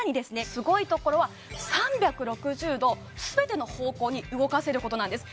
すごいところは３６０度全ての方向に動かせることなんです